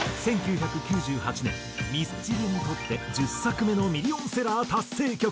１９９８年ミスチルにとって１０作目のミリオンセラー達成曲。